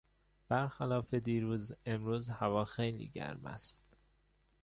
بر خلاف دیروز امروز هوا خیلی گرم است.